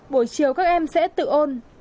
buổi chiều các em sẽ tự ôn